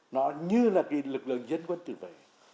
nó như là lực lượng dân quân chủ lực